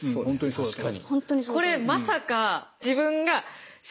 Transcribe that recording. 確かに。